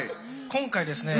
今回ですね